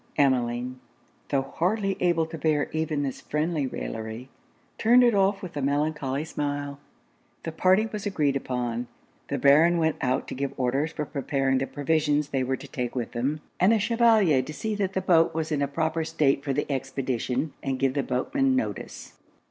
Emmeline, tho' hardly able to bear even this friendly raillery, turned it off with a melancholy smile. The party was agreed upon; the Baron went out to give orders for preparing the provisions they were to take with them, and the Chevalier to see that the boat was in a proper state for the expedition and give the boatmen notice.